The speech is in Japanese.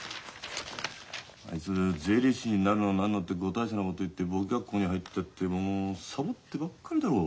あいつ税理士になるの何のってご大層なこと言って簿記学校に入ったってもうサボってばっかりだろう。